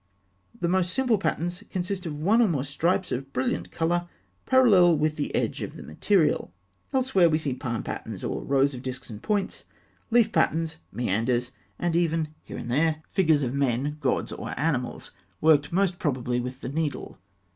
The most simple patterns consist of one or more stripes of brilliant colour parallel with the edge of the material. Elsewhere we see palm patterns, or rows of discs and points, leaf patterns, meanders, and even, here and there, figures of men, gods, or animals, worked most probably with the needle.